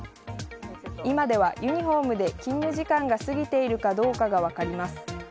今ではユニホームで勤務時間が過ぎているかどうかが分かります。